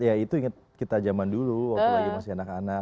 itu inget kita zaman dulu waktu masih anak anak